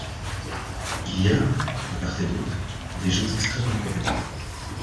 Il y a, de part et d’autre, des gens extrêmement compétents.